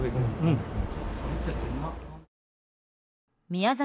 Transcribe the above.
宮崎